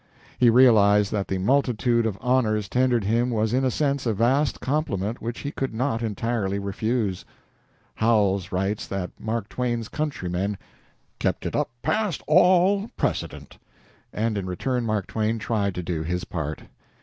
He realized that the multitude of honors tendered him was in a sense a vast compliment which he could not entirely refuse. Howells writes that Mark Twain's countrymen "kept it up past all precedent," and in return Mark Twain tried to do his part.